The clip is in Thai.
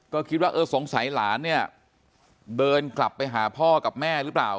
ก็คิดว่าเออสงสัยหลานเนี่ยเดินกลับไปหาพ่อกับแม่หรือเปล่า